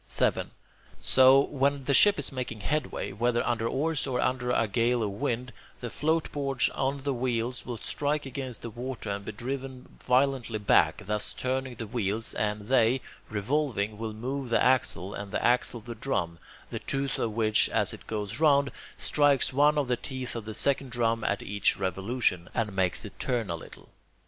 7. So, when a ship is making headway, whether under oars or under a gale of wind, the floatboards on the wheels will strike against the water and be driven violently back, thus turning the wheels; and they, revolving, will move the axle, and the axle the drum, the tooth of which, as it goes round, strikes one of the teeth of the second drum at each revolution, and makes it turn a little.